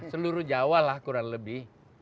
seluruh jawa lah kurang lebih